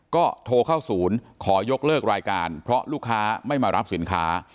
ก็โทรเข้าศูนย์ขอยกเลิกรายการเพราะลูกค้าไม่มารับสินค้า